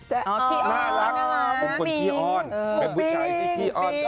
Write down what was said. เป็นคนพี่อ้อนเป็นผู้ชายพี่พี่อ้อน